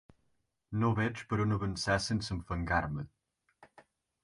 No veig per on avançar sense enfangar-me.